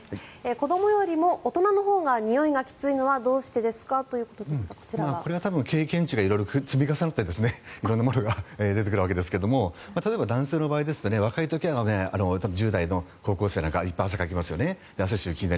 子どもよりも大人のほうがにおいがきついのはどうしてですかということですが経験値が積み重なって色んなものが出てくるわけですが例えば男性の場合ですと若い時は１０代の高校生なんかいっぱい汗をかきますよね。